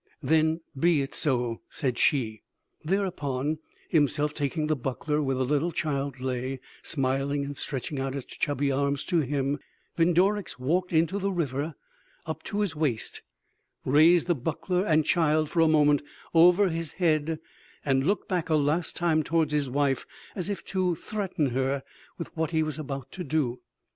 "'Then, be it so,' said she. "Thereupon, himself taking the buckler where the little child lay, smiling and stretching out its chubby arms to him, Vindorix walked into the river up to his waist, raised the buckler and child for a moment over his head, and looked back a last time towards his wife, as if to threaten her with what he was about to do.